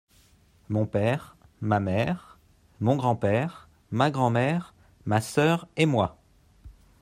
Mon père, ma mère, mon grand-père, ma grand-mère, ma sœur et moi.